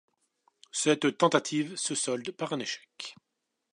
Cette tentative se solde par un échec.